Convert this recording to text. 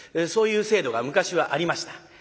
そういう制度が昔はありました。